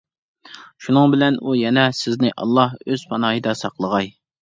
شۇنىڭ بىلەن ئۇ يەنە:-سىزنى ئاللا ئۆز پاناھىدا ساقلىغاي.